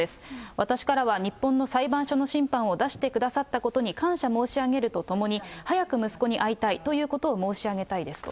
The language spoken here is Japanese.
私からは、日本の裁判所の審判を出してくださったことに感謝申し上げるとともに、早く息子に会いたいということを申し上げたいですと。